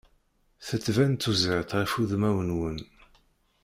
Tettban tuzert ɣef udmawen-nwen.